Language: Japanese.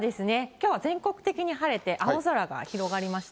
きょうは全国的に晴れて、青空が広がりました。